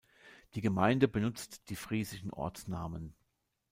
Die Gemeinde benutzt die friesischen Ortsnamen.